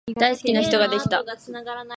大好きな人ができた